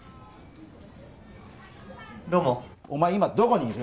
どうもお前今どこにいる？